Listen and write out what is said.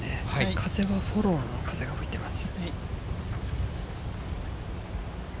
風がフォローの風が吹いてます。